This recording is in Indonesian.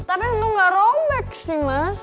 tapi emang gak robek sih mas